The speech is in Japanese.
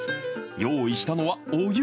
用意したのは、お湯。